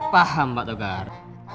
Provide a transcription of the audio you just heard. paham pak tegar